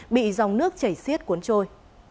bị dòng nước chảy xiết cuốn trôi